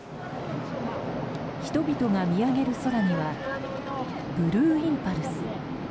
人々が見上げる空にはブルーインパルス。